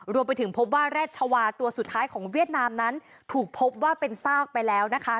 รวมไปถึงพบว่าแรชวาตัวสุดท้ายของเวียดนามนั้นถูกพบว่าเป็นซากไปแล้วนะคะ